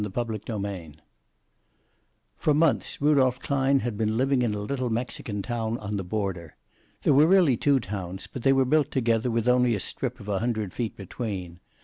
CHAPTER XLIX For months Rudolph Klein had been living in a little Mexican town on the border. There were really two towns, but they were built together with only a strip of a hundred feet between.